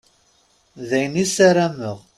D ayen i ssarameɣ.